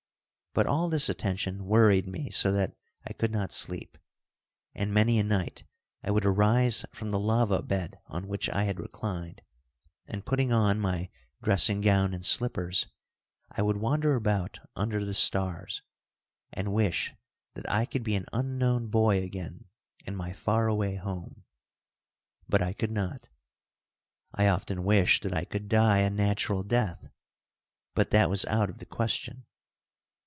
But all this attention worried me so that I could not sleep, and many a night I would arise from the lava bed on which I had reclined, and putting on my dressing gown and slippers, I would wander about under the stars and wish that I could be an unknown boy again in my far away home. But I could not. I often wished that I could die a natural death, but that was out of the question.